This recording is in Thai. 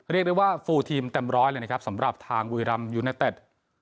เรียกได้ว่าฟูลทีมเต็มร้อยเลยนะครับสำหรับทางบุรีรำยูเนเต็ด